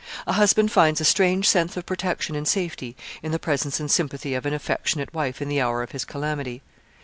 A husband finds a strange sense of protection and safety in the presence and sympathy of an affectionate wife in the hour of his calamity.